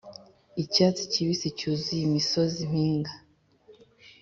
icyatsi kibisi-cyuzuye imisozi-mpinga,